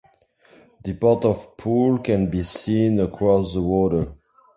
The Port of Poole can be seen across the water.